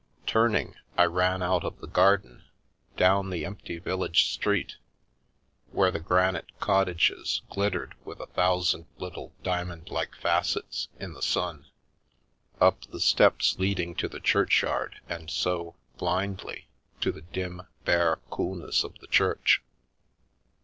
Turning, I ran out of the garden, down the empty vil lage street, where the granite cottages glittered with a thousand little diamond like facets in the sun; up the steps leading to the churchyard, and so, blindly, to the dim, bare coolness of the church.